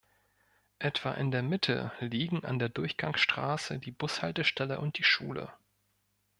Etwa in der Mitte liegen an der Durchgangsstraße die Bushaltestelle und die Schule.